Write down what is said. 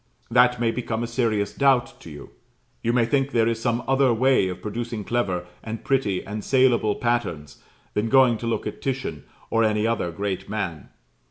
That may become a serious doubt to you. You may think there is some other way of producing clever, and pretty, and saleable patterns than going to look at Titian, or any other great man.